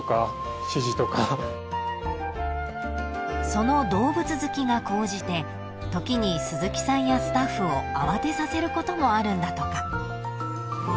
［その動物好きが高じて時に鈴木さんやスタッフを慌てさせることもあるんだとか］